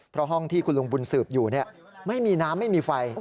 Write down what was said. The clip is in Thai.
เพราะห้องที่คุณลุงบุญสืบอยู่ไม่มีน้ำไม่มีไฟ